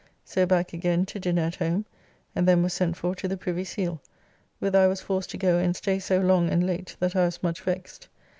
So back again to dinner at home, and then was sent for to the Privy Seal, whither I was forced to go and stay so long and late that I was much vexed.